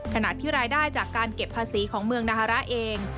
ขณะที่รายได้จากการเก็บภาษีของเมืองนาฮาระเอง